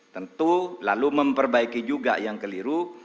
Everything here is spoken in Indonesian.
tentu lalu memperbaiki juga yang keliru